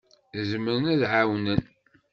Zemren ad d-ɛawnen.